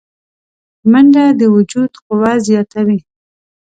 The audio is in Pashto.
منډه د وجود قوه زیاتوي